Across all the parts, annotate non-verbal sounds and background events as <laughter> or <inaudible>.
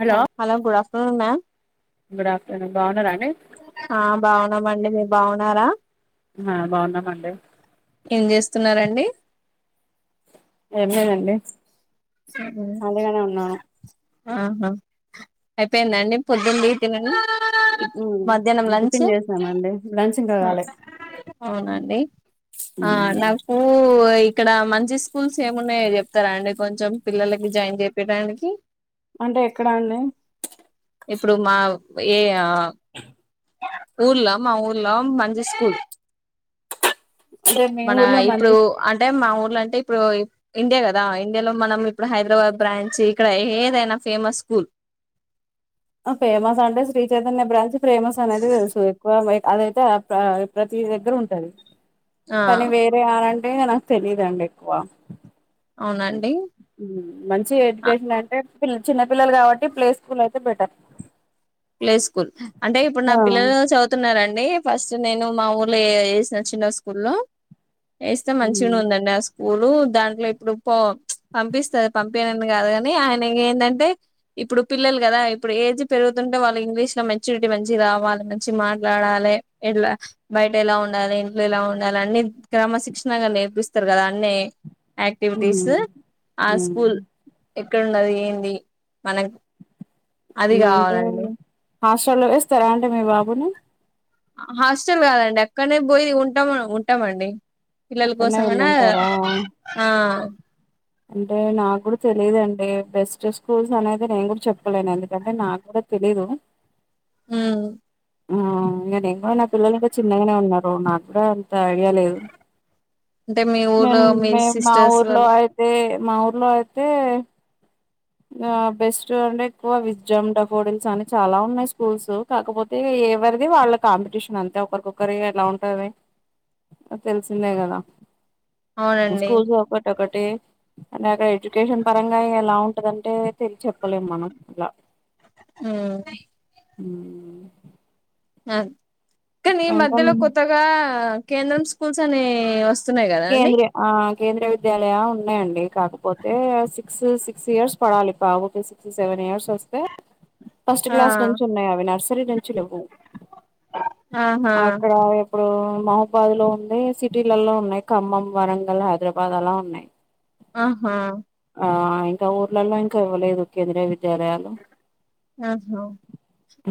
Hello అలా గుడ అవునా గుడ్ ఆఫ్టర్నూన్ బావునారా ఆ బాగున్నామండి మీరు బాగున్నారా ఆ బాగున్నామండి ఏం చేస్తున్నారండి ఏం లేదండి ఉ ఖాళీగానే ఉన్నాను ఆహా అయిపోయిందండి పొద్దున్నది తిన్ మధ్యాహ్నం మ్మ్ లంచ్ టిఫిన్ ఉ చేసామండి లంచ్ ఇంకా కాలే అవున అండి నాకు ఇక్కడ మంచి స్కూల్స్ ఏమున్నాయో చెప్తారా అండి కొంచెం పిల్లలకి జాయిన్ చేపియ్యాడనికి అంటే ఎక్కడ అండి ఇప్పుడు మా ఏ ఊర్లా మా ఊర్లో మంచి స్కూల్ అంటే మీ మన ఊర్లో ఇప్పుడు మంచి అంటే మా ఓ స్కూల్ అంటే ఇప్పుడు ఇండియా కదా ఇండియాలో, మనం ఇప్పుడు హైదరాబాద్ బ్రాంచ్ ఇక్కడ ఏదైనా ఫేమస్ స్కూల్. ఫేమస్ అంటే శ్రీ చైతన్య బ్రాంచ్ ఫేమస్ అనేది తెలుసు ఎక్కువ అదైతే ప్ర ప్రతి దగ్గర ఉంటది ఆ కానీ వేరే ఆనట్ నిజంగా నాకు తెలిదండి ఎక్కువ అవునన్ మంచి ఎడ్యుకేషన్ అంటే పిల్ చిన్న పిల్లలు కాబట్టి ప్లే స్కూల్ అయితే బెటర్ ప్లే స్కూల్ అంటే ఇప్పుడు నా ఆ పిల్లలు చదువుతున్నారం డి ఫస్ట్ నేను మా ఊర్లో వేసిన చిన్న స్కూల్ లో ఏస్తే మంచిగానే ఉమ్ ఉందండి ఆ స్కూలు దాంట్లో ఇప్పుడు పో పంపిస్తారు పంపనని కాదు కాని ఆయన ఏంధంటే ఇప్పుడు పిల్లలు కదా ఇప్పుడు ఏజ్ పెరుగు తుంటే వాళ్ళకి ఇంగ్లీష్ లో మెచ్యూరిటీ మంచి రావాలి మంచి మాట్లాడాలే ఎట్లా బయట ఎలా ఉండాలి ఇంట్లో ఎలా ఉండాలి అన్ని క్రమశిక్షణగా నేర్పిస్తారు కదా అండి యాక్టివిటీస్ ఉమ్ ఆ ఉమ్ స్కూల్ ఎక్కడుంనది ఏంది మనకు అది అంటే కావాలండి లే హాస్టల్లో వేస్తారా అంటె మీ బాబుని హాస్టల్ కాదండి అక్కడనే పోయి ఉంటాం ఉంటామండి పిల్లల అక్కడనే కోసం అన్నా వెళ్ళుంటారా ఆ అంటే నాకు కూడా తెలీదండి, బెస్ట్ స్కూల్స్ అనేది నేను కూడా చెప్పలేను, ఎందుకంటే నాకు కూడా తెలీదు. హుమ్ ఆ ఇంగ నేన్ కూడా నా పిల్లలు ఇంకా చిన్నగానే ఉన్నారు నాకు కూడా అంత ఐడియా లేదు. అంటే మీ మేం ఊర్లో మీ మేం మా సిస్టర్స్ ఊర్లో వాళ్ళు అయితే మా ఊర్లో అయితే బెస్ట్ అంటే ఎక్కువ విజమ్ డబోడిల్స్ అని చాలా ఉన్నాయి స్కూల్స్, కాకపోతే ఎవరిది వాళ్ళ కాంపిటీషన్ అంతే ఒకరికొకరి ఎలా ఉంటంది తెలిసిందే కదా. హు అవునండి స్కూల్స్ ఒకటొకటి అంటే అక్కడ ఎడ్యుకేషన్ పరంగా ఎలా ఉన్ దంటే తెల్ చెప్పలేం మనం లా హుం అవునా ఆద్ కానీ ఈ మధ్యలో కొత్తగా కేంద్రం స్కూల్స్ అని ఏ వాస్ కేంద్రే ఆ కేంద్రయ విద్యాలయా ఉన్నాయండి. కాకపోతే సిక్స్, సిక్స్ ఇయర్స్ పడాలి పాపకి సిక్స్, సెవెన్ ఇయర్స్. వస్తే ఫస్ట్ ఆ క్లాస్ నుంచి ఉన్నాయి అవి నర్స్ సరేడల్ ఆహా అక్కడ ఆయా ఇప్పుడు మహాబాద్ లో ఉంది సిటీలల్లో ఉన్నాయి ఖమ్మం వరంగల్ హైదరాబాద్ అలా ఉన్నాయి ఆహా ఆ ఇంకా ఊర్లలా ఇంకా ఇవలేేదు కేంద్రీయ విద్యాలయాలు ఆహో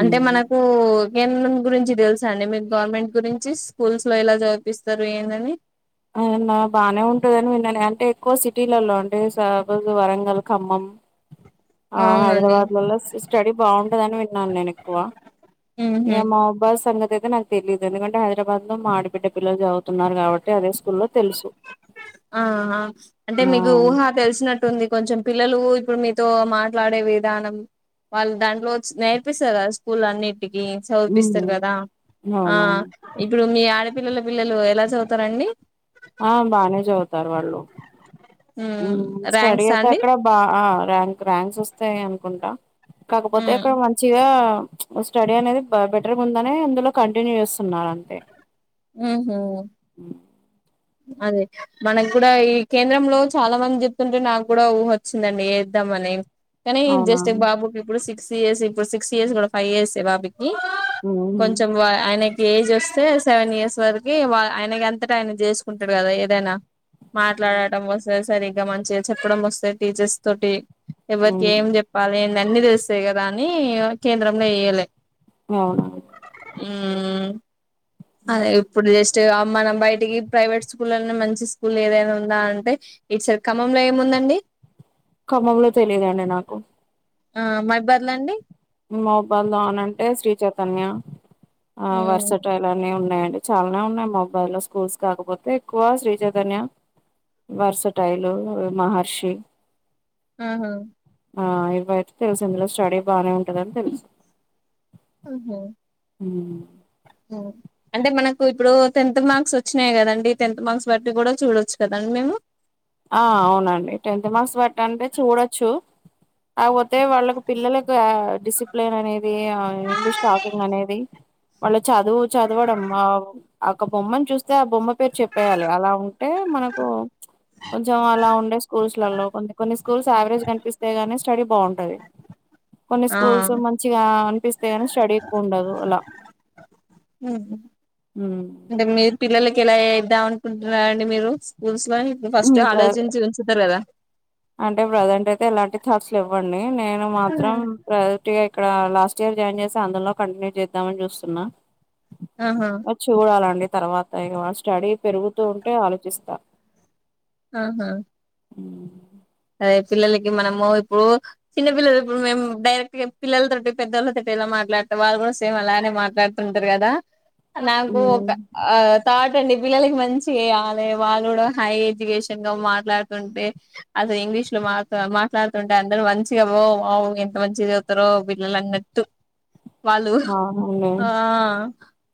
అంటే మనకు కేద్రం గురించి తెలుసా అండి మీరు గవర్నమెంట్ గురించి స్కూల్స్ లో ఇలా చూపిస్తారు ఏందని అవునా బాగానే ఉంటదని విన్నను అంటే ఎ సిటీలో అంటే సఫోస్ వరంగల్ ఖమ్మం ఆ అవునండి హైదరాబాద్ లలో స్టడీ బాగుంటదని విన్నాను నేను ఎక్కువ ఇగ ఉహు మావ్ బాద్ సంగతి అయి నాకు తెలియదు ఎందుకంటే హైదరాబాద్ లో మా ఆబిడ్డ పిల్లలు చదువున్నారు కాబట్టి అదే స్కూల్లో తెలుసు ఆ అంటే ఆ మీకు ఊహ తెలిసినట్టుంది కొంచెం పిల్లలు ఇప్పుడు మీతో మాట్లాడే విధానం వాళ్ళు దాంట్లో నేర్పిస్తారు కదా స్కూల్ అన్నింటి టికి ఉహు చదిపిస్తారు కదా ఆ అవునవును ఇప్పుడు మీ ఆడపి పిల్లల పిల్లలు ఎలా చదువుతారండి ఆ బానేే చదువు తారు వాళ్ళు హు ఉమ్ స్టడీ ర్యాంక్స్ అయితే అండి అక్కడ బా ర్యాంక్ ర్యాంక్స్ వస్తాయి అనుకుంటా కాకపోతే ఉమ్ అక్కడ మంచిగా స్టడీ అనేది బెటర్గా ఉందనే అందులో కంటిన్యూ చేస్తున్నారు అంతే ఆ హ అదే మనకు కూడా ఈ కేంద్రంలో చాలా మంది చెప్తుంటే నాకు కూడా ఊ వచ్చిందండి ఎద్దామని కానీ జస్ట్ అవునా బాబు కి ఇప్పుడు సిక్స్ సిస్ ఇప్పు సిక్స్ ఇయర్స్ కూడా ఫైవ్ ఇయర్స్ ఎ బాబుకి అవునండి కొంచెం ఆయన ఏజ్ వస్తే సెవెన్ ఇయర్స్ వరకి వా ఆయనకి అంతాటా ఆయన చేసు కుంటాడు కదా ఏదైనా మాట్లాడడం వస్తే సరిగ్గా మంచిగా చెప్పడం వస్తే టీచర్స్ తోటి ఎవరికి ఏం చెప్పాలి అన్నిీ తెస్తాయి కదా అని కేంద్రంలో వేయ్యలే అవును ఆ అదే ఇప్పుడు జస్ట్ మనం బయటికి ప్రైవేట్ స్కూల్నే మంచి స్కూల్ ఏదైనా ఉందా అంటే ఇటు సైడ్ ఖమ్మం లో ఏముందండి ఖమ్మంలో తెలియదండి నాకు ఆ మైబాద్ లా అండి మావుబాద్ లో అని అంటే శ్రీ చైతన్య ఆ ఉమ్ వర్షటలానే ఉ <unintelligible> ఉన్నాయిడి చాలానే ఉన్నాయి. మొబై లో స్కూల్స్ కాకపోతే ఎక్కువ శ్రీ చైతన్య వర్సటైలు మహర్షి ఆహా ఆ ఇతే తెలుసి ఇందులో స్టడీ బానే ఉంది. అంత విష ఆహా ఉ అంటే మనకు ఇప్పుడు టెన్త్ మార్క్స్ వచ్చినాయి కదండి. టెన్త్ మార్క్స్ బట్టి కూడా చూడచ్చు కదండి మేము. ఆ అవునండి టెన్త్ మర్క్స్ బట్టే పట్టండి చూడచ్చు ఆ అయితే వాళ్ళకి పిల్లలకు డిసిప్లిన్ అనేది, ఇంగ్లీష్ టాకింగ్ అనేది వాళ్ళ చదువు చదవడమ్మా ఒక బొమ్మను చూస్తే ఆ బొమ్మ పేరు చెప్పేయాలి. అలా ఉంటే మనకు కొంచెం అలా ఉండే స్కూల్స్ లలో కొన్ని కొన్ని స్కూల్స్ యావరేజ్ కనిపిస్తే గాని స్టడీ బావుం టది. కొన్ని ఆ స్కూల్స్ మంచిగా అనిపిస్తే నీ స్టడీ ఎక్కువ ఉండదు అలా ఇద్దా అనుకుంటున్న అండి మీరు స్కూల్స్ ప్పు ఫస్ట్ ఉమ్ ప్ర ఆలోచించి ఉంచుతారు కదా అంటే ప్రెజెంట్ అయితే ఎలాంటి థాట్స్ ఇవ్వ అండి నేను మాత్రం ప్ర అంటే ఇక్కడ లాస్ట్ ఇయర్ జాయిన్ చేస్త అందులో కంటిన్యూ చేద్దామని చూస్తున్నా. ఆహా వచ్చ డలాండి తర్వాత ఇంక మ స్టడీ పెరుగుతూ ఉంటే ఆలోచిస్తా. ఆహా ఉ పిల్లలకి మనము ఇప్పుడు చిన్న పిల్లలు ఇప్పుడు మేము డైరెక్ట్ పిల్లలతో పెద్దళ్ళతో ఎలా మాట్లాడుత వాళ్ళు కూడా సేమ్ అలాగనే మాట్లాడుతుంటారు కదా. నాకు ఒక ఆ థటండి పిల్లలకి మంచి వేయాలి. వాళ్ళు కూడా హై ఎడ్యుకేషన్ గా మాట్లాడుతుంటే అసలు ఇంగ్లీష్ లో మా మాట్లాడుతుంటే అందరూ మంచిగా బో వావు ఎంత మంచి చదువుతారో పిల్లలున్నట్టు. వాళ్ళు అవునండి ఆ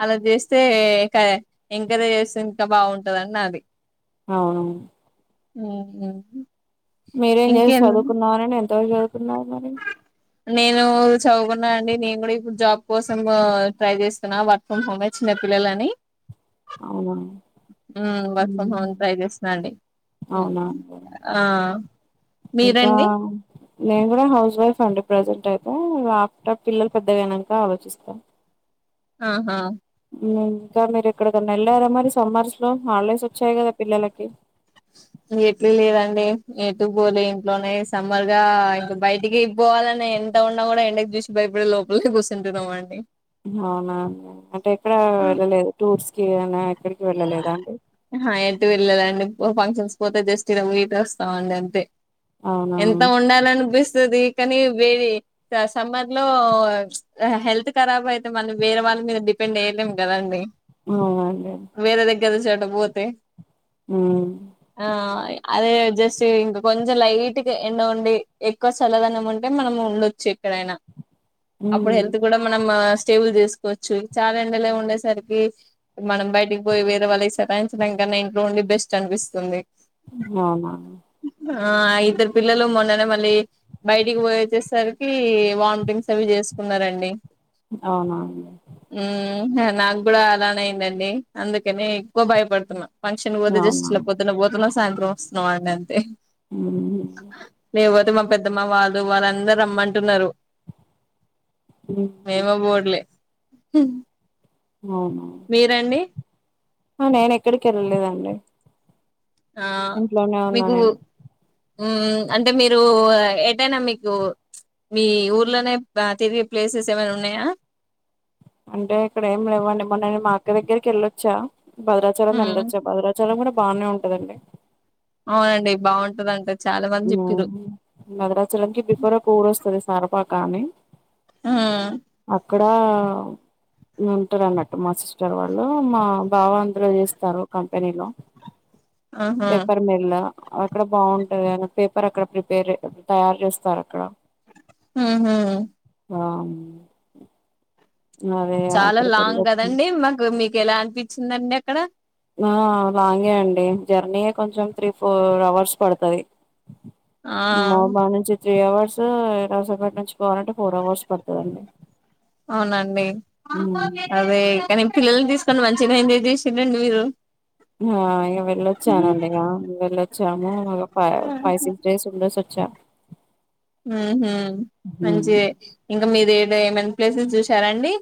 అలా చేస్తే ఇంకా ఎంకరేజ్ చేస్తే ఇంకా బాగుంటందిని నాది అవును హ <unintelligible> మీరేం చేసి చదువుకున్నామని నేనె ఎ చదువుతున్నారు మరి నేను చదువుకున్నా అండి నేను కూడా ఇప్పుడు జాబ్ కోసం ట్రై చేస్తున్నా, వర్క్ ఫ్రమ్ హోమే చిన్న పిల్లలని అవునా ఉ వర్క్ ఫ్రమ్ హోమ్ హ్మ్. ట్రై చేసినండి అవునా అండి. ఆ ఇంకా మీరండి నేను కూడా హౌస్ వైఫ్ అండి ప్రజెంట్ అయితే ఆఫ్టర్ పిల్లలు పెద్దగైనాక ఆలోచిస్తా ఆహా ఉమ్ ఇంకా మీరు ఎక్కడకన్నా ఎళ్లారా మరి సమ్మర్స్ లో హాలిడేస్ వచ్చాయి కదా పిల్లలకి ఎట్లు లేదండి ఎటు పోలే ఇంట్లోనే సమ్మర్ గా ఇంక బయటికి పోవాలని ఎంత ఉన్నా కూడా ఎండకి చూసి భయపడి లోపలే గూసుంటున్నాం అండి అవునా అంటే ఎక్కడ వెళ్ళలేదు టూర్స్ కి ఏదైనా అహా ఏటు వెళ్ళలండి ఓ ఫంక్షన్స్ కు పోతే జస్ట్ ఈడ బోయి ఇట్ వస్తాం అండి అంతే అవునా ఎంత ఉండాలనిపిస్తది కానీ వేది ఆ సమ్మర్ లో హెల్త్ కరాబ్ అయితే మనం వేరే వాళ్ళ మీద డిపెండ్ ఎయ్యలేం కదండి ఔనండి వేరే దగ్గర చట పోతే ఉమ్ ఆయ అదే జస్ట్ ఇంక కొంచెం లైట్ గ ఎండ ఉండి ఎక్కువ చల్లదనం ఉంటే మనం ఉండొచ్చు ఎక్కడైనా అప్పుడు హెల్త్ కూడా ఉమ్ మనం సేబుల్ చేసుకోవచ్చు చాలా ఎండలే ఉండేసరికి మనం బై టికి పోయి వేరే వాళ్ళకి సతాయించడం కన్నా ఇంట్లో ఉండి బెస్ట్ అనిపిస్తుంది హ్ అవునా ఆ ఇద్దరు పిల్లలు మొన్ననే మళ్ళీ బయటికి పోయి, వచ్చేసరికి వామిటింగ్స్ అవి చేసుకున్నారండి. అవునా అండి హు నాక్ కూడా అలానేయిందండి అందుకనే ఎక్కువ భయపడుతున్నా ఫంక్షన్ పోద్ జస్ట్ అవునా పోద్దున్న పోతున్నా సాయంత్రం వస్తున్నామండి అంతే అవును ఇగ పోతే మా పెద్దమ్మ వాళ్ళు వాళ్ళందరు రమ్మంటున్నారు. ఉమ్, మీమే బోవట్లే హ్మ్ అవున్ మీరండి ఆ నేన్ ఎక్కడికి వెళ్ళలేదండి ఇంట్లోనే ఉన్నా నేన్ హ్ అంటే మీరు ఏటైనా మీకు, మీ ఊర్లోనే తిరిగే ప్లేసెస్ ఏమైనా ఉన్నాయా. అంటే ఇక్కడ ఏం లేవండి మొన్నని మా అక్క దగ్గరికి వెళ్ళొచ్చా. భద్రాచలం ఉమ్ ఎల్లొచ్చా భద్రాచలం కూడా బానే ఉంటదండి అవునండి బాగుంటందంటే భదరాచలంకి బిఫోర్ ఒకఊరు వస్తది సార ఫాక్ కానీ మ్మ్ అక్కడ ఉంటారు అన్నట్టు మా సిస్టర్ వాళ్ళు మా బావ అందరూ చేస్తారు కంపెనీలో ఆహా పేపర్ మేల అక్కడ బాగుంటది అని పేపర్ అక్కడ ప్రిపేర్ తయారు చేస్తారు అక్కడ ఉహు ఆ అదే చాలా అక్కడికి లాంగ్ వెళ్ళొచ్చు కదండి మాకు మీకు ఎలా అనిపించిందండి అక్కడ ఆ లాంగే అండి జర్నీయ కొంచెం త్రీ ఫోర్ అవర్స్ పడతుది ఆ త్రీ అవర్స్ <unintelligible> ఫోర్ అవర్స్ పడతదండి అవునండి అదే కాని పిల్లల్ని తీసుకుని మంచిగా ఎంజాయ్ <unintelligible> మీరు ఆ ఇక వెళ్ళొచ్చానండి ఇక వెళ్ళొ చ్చము ఇంకా <unintelligible> ఫైవ్ సిక్స్ డేస్ ఉండేసి చె మందే ఇంకా మీరు ఏ ఏమ ప్లేసెస్ చూసారండి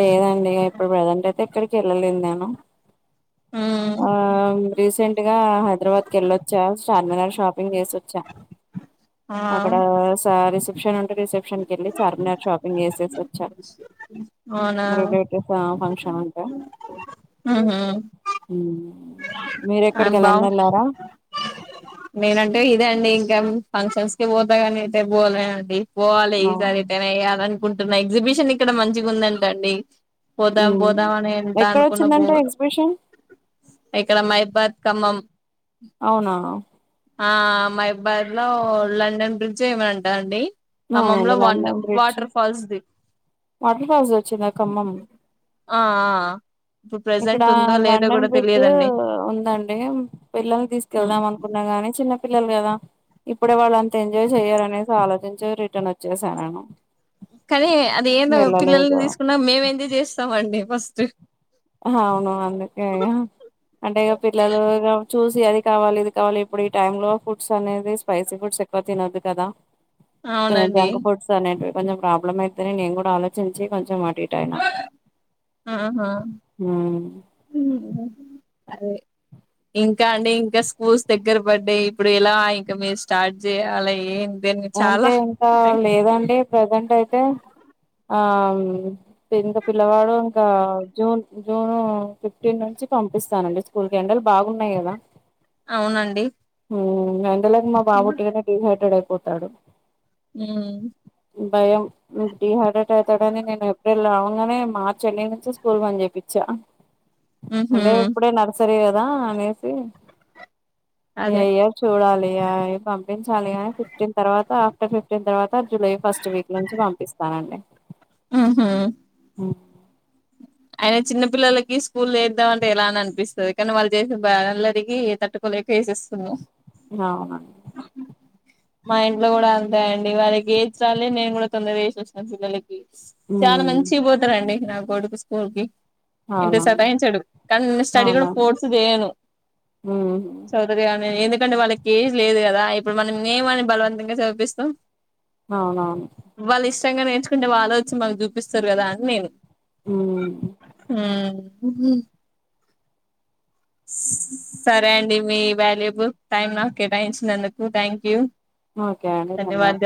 లేదండి ఇప్పుడు ప్రజెంట్ అయితే ఎక్కడికి వెళ్ళలేదు నేను హ్మ్ ఆ రీసెంట్ గా హైదరాబాద్కి వెళ్ళొచ్చా చార్మినార్ షాపింగ్ చేసొచ ఆ అక్కడ సారి ష రిసెప్షన్కి వెళ్ళి చార్మినార్ షాపింగ్ చేసేసి వచ్చా అవునా <unintelligible> ఫంక్షన్ ఉంటే ఊహూ మ్మ్ ఆ బావు నేనంటే ఇదే అండి ఇంకా ఫంక్షన్స్ కి పోతాగానీ అయితే పోలేండి పోవాలి ఈ సారి ఎత్తైన వెళ్ళి అనుకుంటున్నా ఎగ్జిబిషన్ <unintelligible> ఇక్కడ మంచిగా ఉందంటండి ఎక్కడ వచ్చిందంటే పోలే ఎగ్జిబిషన్ ఇక్కడ మైబాద్ ఖమ్మం అవునా ఆ మైబార్ లో లండన్ బ్రిడ్జ్ ఏమంటాండి అవునండి నన్నండ్రిడ్జ ది వాటర్ ఫాల్స్ వచ్చినా కమ్మమ్ ఆ ఆ ఇప్పుడు ఇక్కడ ప్రెజెంట్ ఉందో లేదో లండన్ కూడా బ్రిడ్జ్ తెలియదండి మ్మ్ ఉందండి పిల్లల్ని తీసుకెళ్దాం అనుకున్నా కాని చిన్న పిల్లలు కదా ఇప్పుడే వాళ్ళు అంత ఎంజాయ్ చెయ్యారనేసి ఆలోచించి రిటర్న్ వచ్చేసా నేను కానీ అది ఏందో పిల్లల్ని వెళ్ళలేదు తీసుకున్నా మేము ఎంజాయ్ చేస్తాం అండి వస్తే అవును అందుకే గా అంటే ఇక పిల్లలు చూసి అది కావాలి ఇది కావాలి ఇప్పుడు ఈ టైమ్ లో ఫుడ్స్ అనేది స్పైసీ ఫుడ్స్ ఎక్కువ తినద్దు కదా కొ అవునండి జంక్ ఫుడ్స్ అనేటివి కొంచెం ప్రాబ్లం అయితది నేను కూడా ఆలోచించి కొంచెం ఆర్త్ డేటయినా ఆ మ్మ్ అదే ఇంకా అండి ఇంకా స్కూల్స్ దగ్గర పడ్డాయ్ ఇప్పుడు ఇలా ఇంకా మీరు స్టార్ట్ చేయాల ఏం అంటే ఇంకా లేదండి ప్రెజెంట్ అయితే ఆ ఇంకా పిల్లవాడు ఇంకా జూన్ జూన్ ఫిఫ్టీన్ నుంచి పంపిస్తానండి స్కూల్ కి ఎండలు బాగున్నాయి కదా అవునండి మ్మ్ నెలైండి మా బాబు టీ నే టీవీ పెట్టడు పోతాడు ఉమ్ భయం డిహైడ్రేట్ అవుతాడని నేను ఏప్రిల్ అవ్ అగానే మార్చ్ ఎండింగ్ నుంచి స్కూల్ బంద్ చేయిచ్చా ఉహు అంటే ఇప్పుడే నర్సరీ రా అనేసి అదే ఏయ్య చూడాలి యాయ్ పమ్ పించాలి ని ఫిఫ్టీన్ తర్వాత టే ఫిఫ్టీన్ తర్వాత జులై ఫస్ట్ వీక్ నుంచి పంపిస్తానండి మ్మ్ హ్మ్ అయిన చిన్న పిల్లలకి స్కూల్లో ఏద్దాం అంటే ఎలానో అనిపిస్తది కానీ వాళ్ళు చేసిన బ అల్లరికి ఏ తట్టుకోలేక వేసేస్తున్నామ్ బాగున్నానండి మా ఇంట్లో కూడా అంతేనండి వాళ్ళకి ఈచ్చాలి నేను కూడా తొందరగా చేసి వస్తు పిల్లలు చాలా హ్మ్ మంచిగా పోతారండి నా కొడుకు కోర్గి ఇంత అవునవును సతాయించడు కానీ నేను స్టడీ కూడా అవునవును ఫోర్స్ చేయను హ్మ్ చదవితే చదవనినేందు ఎందుకంటే వాళ్ళకి ఏజ్ లేదు కదా ఇప్పుడు మనం మేమని బలవంతంగా చదివిపిస్తాం అవును అవును కష్టంగా నేర్చుకుంటే వాళ్ళు వచ్చి మాకు చూపిస్తారు కదా అని నేను హ్మ్ హ్మ్ మ్మ్ హు సరే అండి మీ వాల్యూబు టైమ్ నాకు కేటాయించినందుకు థ్యాంక్ యూ ఓకే అండి ధన్యవాదాలు